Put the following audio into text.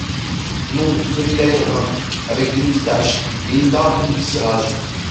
Non… celui-là est brun… avec des moustaches et une barbe comme du cirage.